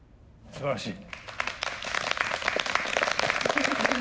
すばらしい。